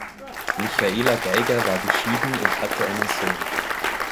Michaela Geiger war geschieden und hatte einen Sohn.